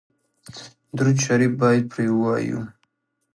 درود شریف باید پرې ووایو.